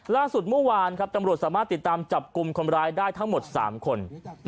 ล่าสุดเมื่อวานครับตำรวจสามารถติดตามจับกลุ่มคนร้ายได้ทั้งหมด๓คน